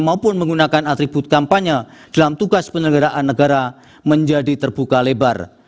maupun menggunakan atribut kampanye dalam tugas penyelenggaraan negara menjadi terbuka lebar